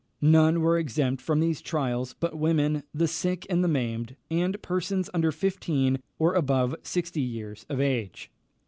None were exempt from these trials but women, the sick and the maimed, and persons under fifteen or above sixty years of age.